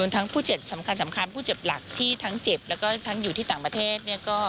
ทั้งผู้เจ็บสำคัญผู้เจ็บหลักที่ทั้งเจ็บแล้วก็ทั้งอยู่ที่ต่างประเทศ